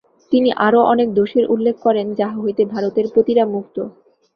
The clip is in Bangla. তিনি আরও অনেক দোষের উল্লেখ করেন, যাহা হইতে ভারতের পতিরা মুক্ত।